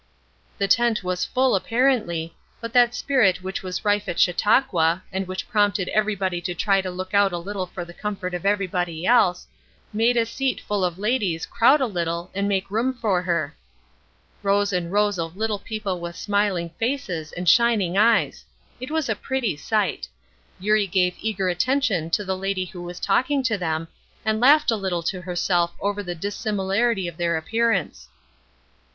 The tent was full apparently; but that spirit which was rife at Chautauqua, and which prompted everybody to try to look out a little for the comfort of everybody else, made a seat full of ladies crowd a little and make room for her. Rows and rows of little people with smiling faces and shining eyes! It was a pretty sight. Eurie gave eager attention to the lady who was talking to them, and laughed a little to herself over the dissimilarity of their appearance.